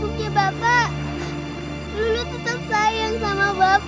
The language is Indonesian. tapi bapak tetap sayang sama bapak